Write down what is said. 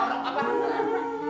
tidak jangan jangan jangan